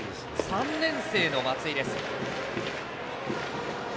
３年生の松井です。